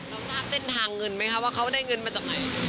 เราทราบเส้นทางเงินไหมคะว่าเขาได้เงินมาจากไหน